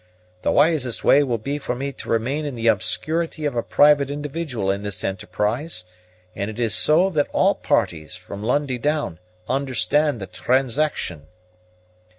The wisest way will be for me to remain in the obscurity of a private individual in this enterprise; and it is so that all parties, from Lundie down, understand the transaction."